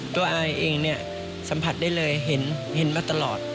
อายเองเนี่ยสัมผัสได้เลยเห็นมาตลอด